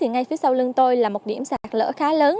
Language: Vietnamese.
ngay phía sau lưng tôi là một điểm sạt lỡ khá lớn